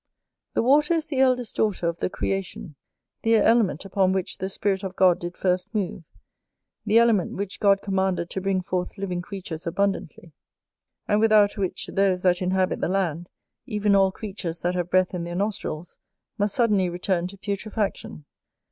The water is the eldest daughter of the creation, the element upon which the Spirit of God did first move, the element which God commanded to bring forth living creatures abundantly; and without which, those that inhabit the land, even all creatures that have breath in their nostrils, must suddenly return to putrefaction.